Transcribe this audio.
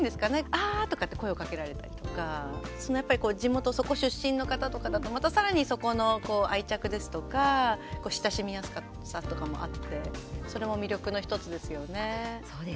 ああ！とかって声をかけられたりとか、やっぱり地元、そこ出身の方とかだとまたさらに、そこの愛着ですとか親しみやすさとかもあってそうですね。